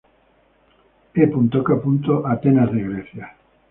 E. K. Atenas de Grecia.